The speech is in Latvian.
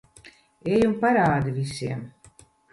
Ej un parādi visiem.